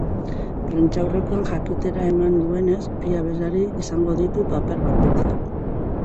Prentsaurrekoan jakitera eman duenez, bi abeslari izango ditu paper bakoitzean.